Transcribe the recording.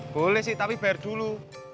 boleh sih tapi bayar dulu